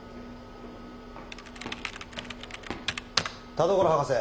田所博士